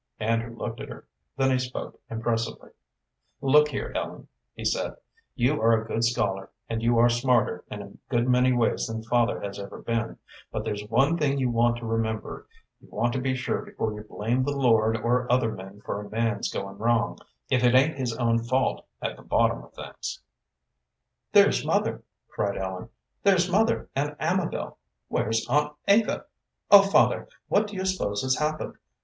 Andrew looked at her, then he spoke impressively. "Look here, Ellen," he said, "you are a good scholar, and you are smarter in a good many ways than father has ever been, but there's one thing you want to remember; you want to be sure before you blame the Lord or other men for a man's goin' wrong, if it ain't his own fault at the bottom of things." "There's mother," cried Ellen; "there's mother and Amabel. Where's Aunt Eva? Oh, father, what do you suppose has happened?